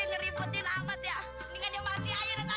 ini perempuan yang bakal jadi kerasnya nolong kau gini nih